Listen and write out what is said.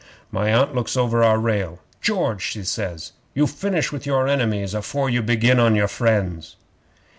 'My Aunt looks over our rail. "George," she says, "you finish with your enemies afore you begin on your friends."